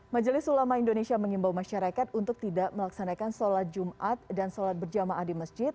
majelis ulama indonesia mengimbau masyarakat untuk tidak melaksanakan sholat jumat dan sholat berjamaah di masjid